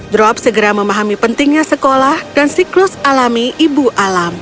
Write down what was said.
drop segera memahami pentingnya sekolah dan siklus alami ibu alam